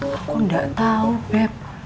aku enggak tahu beb